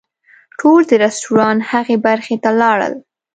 ټول د رسټورانټ هغې برخې ته لاړل.